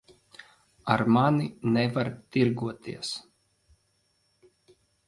Ar mani nevar tirgoties.